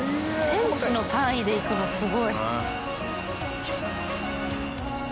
センチの単位でいくのすごい。